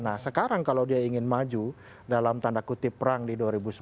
nah sekarang kalau dia ingin maju dalam tanda kutip perang di dua ribu sembilan belas